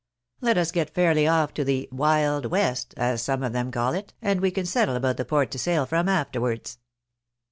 Let us get fairly off to the ' wild west,' as some of them call it, and we can settle about the port to sail from afterwards."